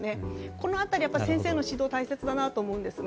この辺りは先生の指導が大切だなと思いますが。